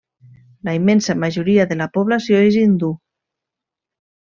La immensa majoria de la població és hindú.